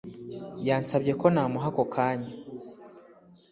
Yansabye ko namuha ako kanya.